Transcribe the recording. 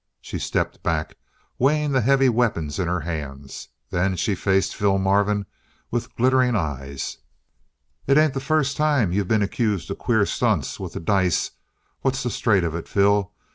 She stepped back, weighing the heavy weapons in her hands. Then she faced Phil Marvin with glittering eyes. "It ain't the first time you been accused of queer stunts with the dice. What's the straight of it, Phil?